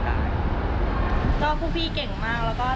สำเร็จช่วยเด็กได้ค่ะ